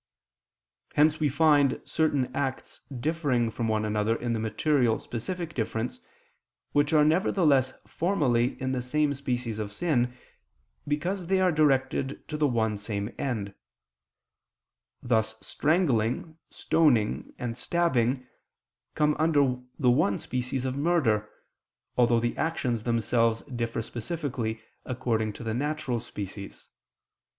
Hence we find certain acts differing from one another in the material specific difference, which are nevertheless formally in the same species of sin, because they are directed to the one same end: thus strangling, stoning, and stabbing come under the one species of murder, although the actions themselves differ specifically according to the natural species.